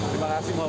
terima kasih mbak